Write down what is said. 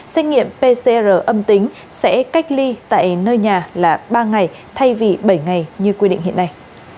xét nghiệm pcr âm tính sẽ cách ly tại nơi nhà là ba ngày thay vì bảy ngày như quy định hiện nay